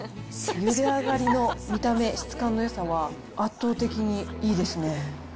ゆで上がりの見た目、質感のよさは、圧倒的にいいですね。